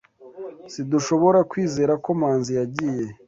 Sidushobora kwizera ko Manzi yagiye.